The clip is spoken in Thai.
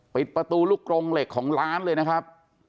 ปิดประตูลูกกรงเหล็กของร้านเลยนะครับ